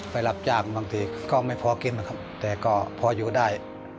รับจ้างบางทีก็ไม่พอกินนะครับแต่ก็พออยู่ได้